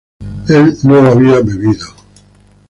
él no había bebido